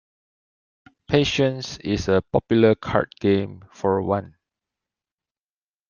Patience is a popular card game for one